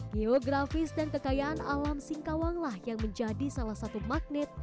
geografis dan kekayaan alam singkawanglah yang menjadi salah satu magnet